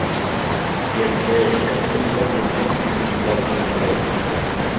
گەپنى تېخىمۇ ئېنىق بولۇش ئۈچۈن مۇنداق چۈشەندۈرەي.